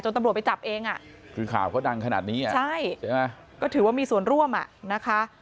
จนตำรวจไปจับเองคือข่าวเขาดังขนาดนี้ใช่ก็ถือว่ามีส่วนร่วมนะคะ